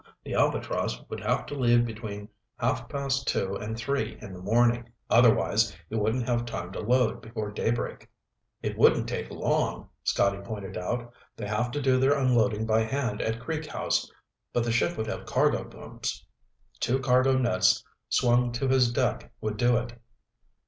"The Albatross would have to leave between half past two and three in the morning. Otherwise, he wouldn't have time to load before daybreak." "It wouldn't take long," Scotty pointed out. "They have to do their unloading by hand at Creek House, but the ship would have cargo booms. Two cargo nets swung to his deck would do it.